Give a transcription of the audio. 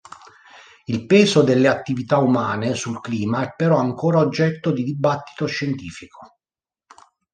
Il peso delle attività umane sul clima è però ancora oggetto di dibattito scientifico.